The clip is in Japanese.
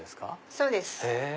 そうです。